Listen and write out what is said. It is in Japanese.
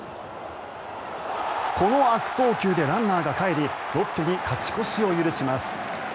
この悪送球でランナーがかえりロッテに勝ち越しを許します。